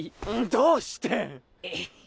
どうしてっ！？